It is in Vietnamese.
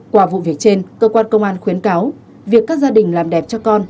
qua vụ việc trên cơ quan công an khuyến cáo việc các gia đình làm đẹp cho con